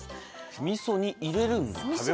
味噌に入れるんだ。